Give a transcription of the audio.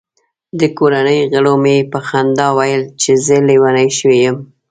د کورنۍ غړو مې په خندا ویل چې زه لیونی شوی یم.